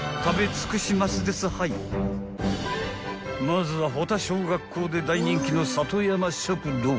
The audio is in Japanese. ［まずは保田小学校で大人気の］